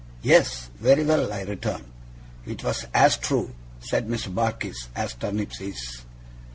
'Yes, very well,' I returned. 'It was as true,' said Mr. Barkis, 'as turnips is.